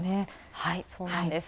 はい、そうなんです。